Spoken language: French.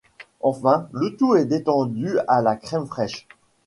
Enfin, le tout est détendu à la crème fraîche.